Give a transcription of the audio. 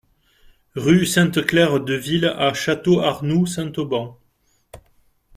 Rue Sainte-Claire Deville à Château-Arnoux-Saint-Auban